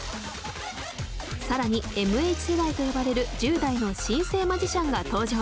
更にＭＨ世代と呼ばれる１０代の新星マジシャンが登場！